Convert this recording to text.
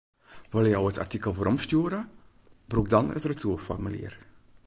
Wolle jo it artikel weromstjoere, brûk dan it retoerformulier.